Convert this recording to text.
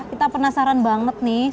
kita penasaran banget nih sama ini